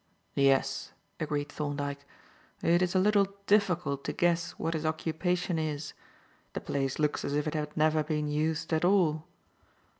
"Yes," agreed Thorndyke, "it is a little difficult to guess what his occupation is. The place looks as if it had never been used at all.